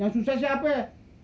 yang susah si apai